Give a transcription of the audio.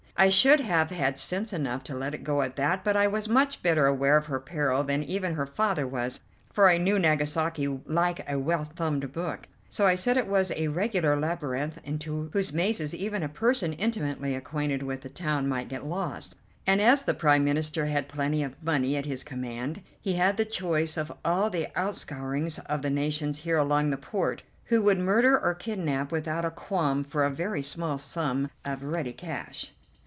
I should have had sense enough to let it go at that, but I was much better aware of her peril then even her father was, for I knew Nagasaki like a well thumbed book; so I said it was a regular labyrinth into whose mazes even a person intimately acquainted with the town might get lost, and as the Prime Minister had plenty of money at his command, he had the choice of all the outscourings of the nations here along the port, who would murder or kidnap without a qualm for a very small sum of ready cash.